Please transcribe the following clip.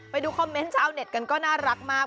ไปดูคอมเมนต์ชาวเน็ตกันก็น่ารักมาก